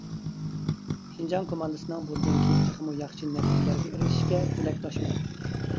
شىنجاڭ كوماندىسىنىڭ بۇندىن كىيىن تېخىمۇ ياخشى نەتىجىلەرگە ئېرىشىشىگە تىلەكداشمەن.